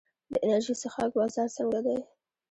د انرژي څښاک بازار څنګه دی؟